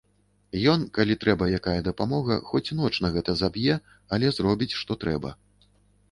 Ён, калі трэба якая дапамога, хоць ноч на гэта заб'е, але зробіць, што трэба.